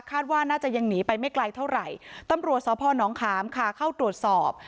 ว่าน่าจะยังหนีไปไม่ไกลเท่าไหร่ตำรวจสพนขามค่ะเข้าตรวจสอบ